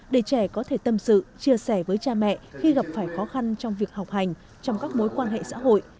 để trẻ có thể tâm sự chia sẻ với cha mẹ khi gặp phải khó khăn trong việc học hành trong các mối quan hệ xã hội